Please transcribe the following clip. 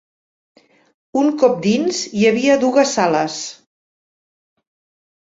Un cop dins, hi havia dugues sales